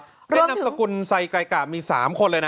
ที่นามสกุลไซไกลกะมี๓คนเลยนะ